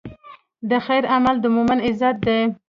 د خیر عمل د مؤمن عزت دی.